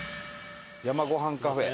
山ごはんカフェ。